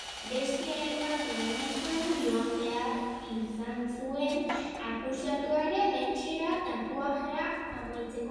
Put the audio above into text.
Beste hainbat egunetan joan behar izan zuen akusatuaren etxera tatuajea amaitzeko.